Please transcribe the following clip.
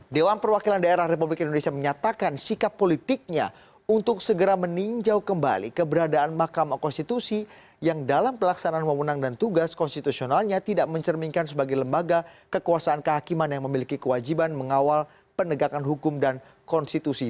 dewan perwakilan daerah republik indonesia menyatakan sikap politiknya untuk segera meninjau kembali keberadaan makam konstitusi yang dalam pelaksanaan wawonang dan tugas konstitusionalnya tidak mencerminkan sebagai lembaga kekuasaan kehakiman yang memiliki kewajiban mengawal penegakan hukum dan konstitusi